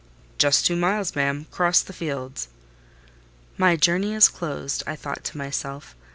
"Just two miles, ma'am, across the fields." "My journey is closed," I thought to myself.